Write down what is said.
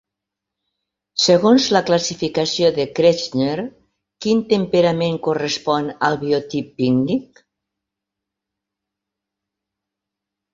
Segons la classificació de Kretschmer, quin temperament correspon al biotip pícnic?